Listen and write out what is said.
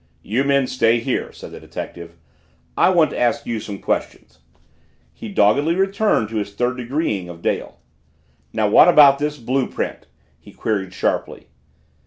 "You men stay here!" said the detective. "I want to ask you some questions." He doggedly returned to his third degreeing of Dale. "Now what about this blue print?" he queried sharply.